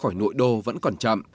khỏi nội đô vẫn còn chậm